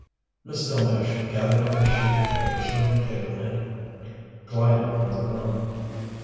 Miss Delmege gathered up a sheaf of papers from her table and glided from the room.